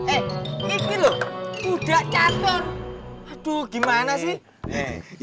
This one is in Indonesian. eh ini loh udah catur aduh gimana sih